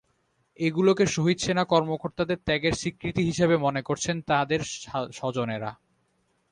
এগুলোকে শহীদ সেনা কর্মকর্তাদের ত্যাগের স্বীকৃতি হিসেবে মনে করছেন তাঁদের স্বজনেরা।